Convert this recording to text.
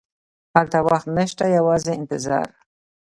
هلته وخت نه شته، یوازې انتظار.